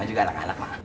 mak juga anak anak mak